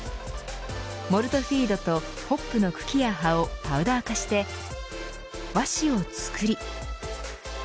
モルトフィードとホップの茎や葉をパウダー化して和紙を作り